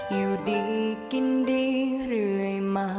อยู่ดีกินดีเรื่อยมา